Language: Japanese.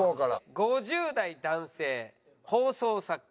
５０代男性放送作家。